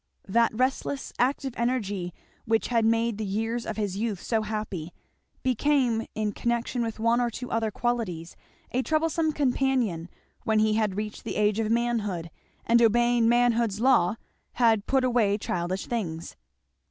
That restless active energy which had made the years of his youth so happy, became, in connection with one or two other qualities, a troublesome companion when he had reached the age of manhood and obeying manhood's law had "put away childish things."